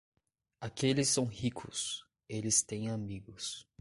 Aqueles são ricos, eles têm amigos.